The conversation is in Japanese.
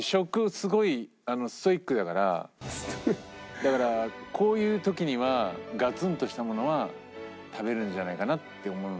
だからこういう時にはガツンとしたものは食べるんじゃないかなって思うので。